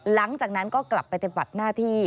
หลังจากนั้นก็กลับไปปฏิบัติหน้าที่